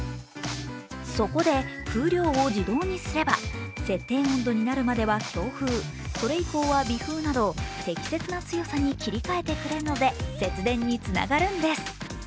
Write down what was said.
そこで風量を自動にすれば、設定温度になるまでは強風、それ以降は微風など適切な強さに切り替えてくれるので節電につながるんです。